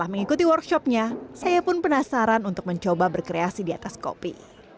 mengikuti workshopnya saya pun penasaran untuk mencoba berkreasi di atas kopi